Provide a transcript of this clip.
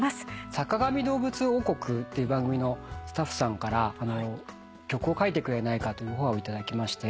『坂上どうぶつ王国』の番組のスタッフさんから曲を書いてくれないかというオファーを頂きまして。